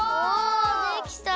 できた！